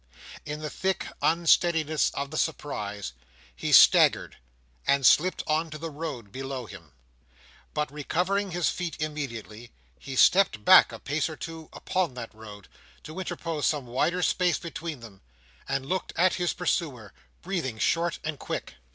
In the quick unsteadiness of the surprise, he staggered, and slipped on to the road below him. But recovering his feet immediately, he stepped back a pace or two upon that road, to interpose some wider space between them, and looked at his pursuer, breathing short and quick.